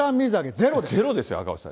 ゼロですよ、赤星さん。